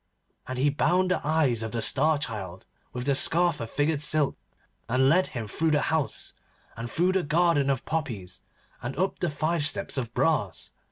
And he bound the eyes of the Star Child with the scarf of figured silk, and led him through the house, and through the garden of poppies, and up the five steps of brass.